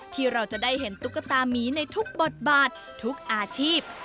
ที่เราจะได้เห็นตุ๊กตามีในทุกบทบาททุกอาชีพ